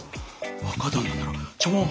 若旦那なら茶わん